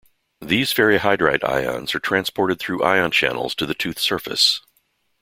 These ferrihydrite ions are transported through ion channels to the tooth surface.